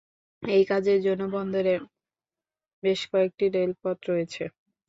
এই কাজের জন্য বন্দরে বেশ কয়েকটি রেলপথ রয়েছে।